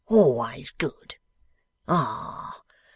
Always good! Ah!